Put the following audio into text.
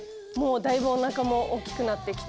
だいぶおなかも大きくなって。